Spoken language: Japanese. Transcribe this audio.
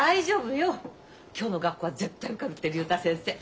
今日の学校は絶対受かるって竜太先生。